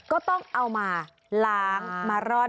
ก็ต้องเอามาล้างมาร่อน